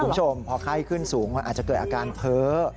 คุณผู้ชมพอไข้ขึ้นสูงมันอาจจะเกิดอาการเพ้อ